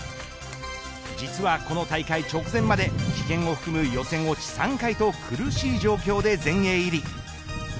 実はこの大会直前まで棄権を含む予選落ち３回と苦しい状況で全英入り。